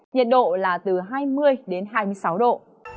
nhiệt độ là từ hai mươi đến hai mươi sáu độ